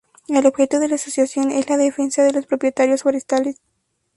El objeto de la asociación es la defensa de los propietarios forestales.